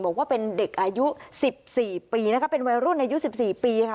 บอกว่าเป็นเด็กอายุ๑๔ปีนะคะเป็นวัยรุ่นอายุ๑๔ปีค่ะ